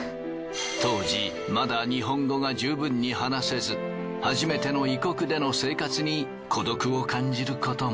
当時まだ日本語が十分に話せず初めての異国での生活に孤独を感じることも。